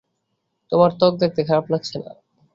তোমার ত্বক দেখতে খারাপ লাগছে না।